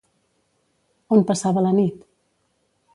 On passava la nit?